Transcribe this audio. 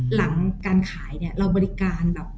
หลังการขายเนี่ยเราบริการแบบ